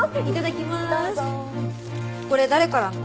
これ誰からの？